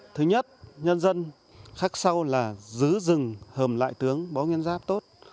thứ nhất nhân dân khắc sâu là giữ rừng hầm đại tướng bó nguyên giáp tốt